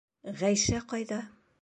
Ғәйшә ҡайҙа?